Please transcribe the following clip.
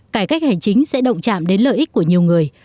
cải cách hành chính sẽ động chạm đến lợi ích của nhiều người